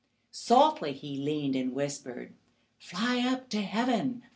Softly He leaned and whispered: "Fly up to Heaven!